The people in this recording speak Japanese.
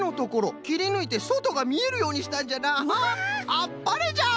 あっぱれじゃ！